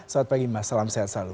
selamat pagi mas salam sehat selalu